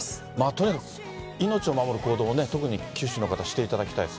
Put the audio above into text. とにかく命を守る行動をね、特に九州の方、していただきたい